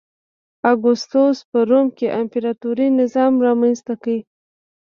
اګوستوس په روم کې امپراتوري نظام رامنځته کړ